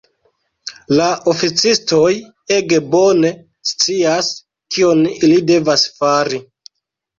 La oficistoj ege bone scias, kion ili devas fari.